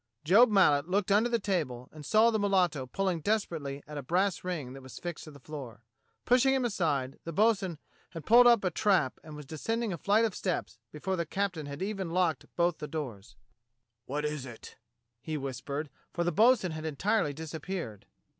^^" Job Mallet looked under the table and saw the mulatto pulling desperately at a brass ring that was fixed to the floor. Pushing him aside, the bo'sun had pulled up a trap and was descending a flight of steps before the captain had even locked both the doors. 34 DOCTOR SYN "What is it?" he whispered; for the bo'sun had entirely disappeared.